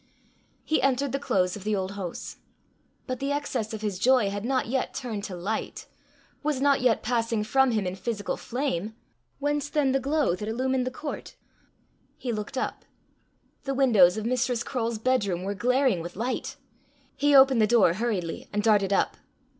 He entered the close of the Auld Hoose. But the excess of his joy had not yet turned to light, was not yet passing from him in physical flame: whence then the glow that illumined the court? He looked up. The windows of Mistress Croale's bedroom were glaring with light! He opened the door hurriedly and darted up.